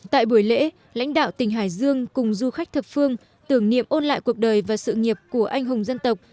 tại buổi lễ lãnh đạo tỉnh hải dương cùng du khách thập phương tưởng niệm ôn lại cuộc đời và sự nghiệp của anh hùng dân tộc